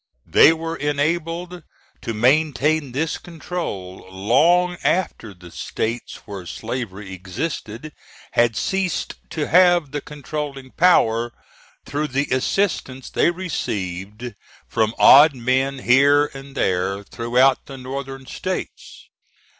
They were enabled to maintain this control long after the States where slavery existed had ceased to have the controlling power, through the assistance they received from odd men here and there throughout the Northern States.